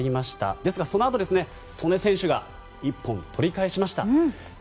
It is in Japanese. ですが、そのあと素根選手が一本、取り返しました。